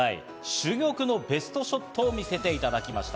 珠玉のベストショットを見せていただきました。